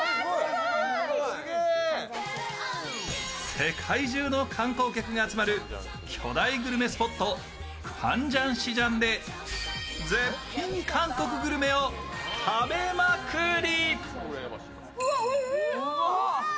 世界中の観光客が集まる巨大グルメスポットクァンジャンシジャンで絶品韓国グルメを食べまくり！